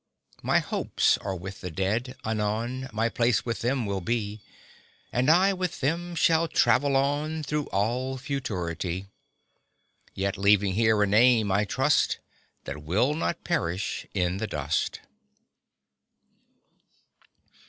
My hopes are with the Dead, anon My place with them will be, And I with them shall travel on Through all Futurity; Yet leaving here a name, I trust, That will not perish in the dust.